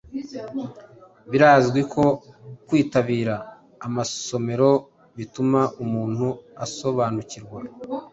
Birazwi ko kwitabira amasomero bituma umuntu asobanukirwa,